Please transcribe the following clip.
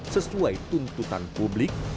sesuai tuntutan publik